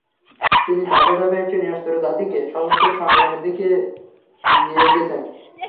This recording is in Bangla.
তিনি ধাপে ধাপে একটি নিরস্ত্র জাতিকে সশস্ত্র সংগ্রামের দিকে নিয়ে গেছেন।